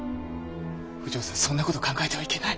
お嬢さんそんな事を考えてはいけない！